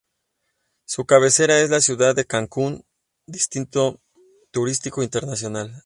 Su cabecera es la ciudad de Cancún, destino turístico internacional.